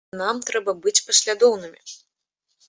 Нам трэба быць паслядоўнымі.